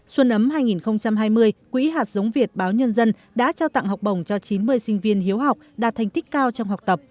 xuân ấm hai nghìn hai mươi quỹ hạt giống việt báo nhân dân đã trao tặng học bổng cho chín mươi sinh viên hiếu học đạt thành tích cao trong học tập